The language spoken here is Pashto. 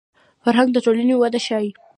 فرهنګ د ټولنې وده ښيي